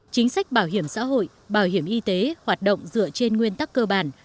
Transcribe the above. chính sách bảo hiểm xã hội bảo hiểm y tế hoạt động dựa trên nguyên tắc cơ bản